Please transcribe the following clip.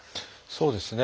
そうですね。